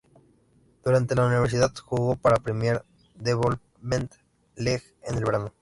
Durante el universidad, jugó para Premier Development League en el verano.